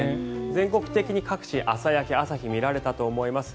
全国的に各地、朝焼け、朝日が見られたと思います。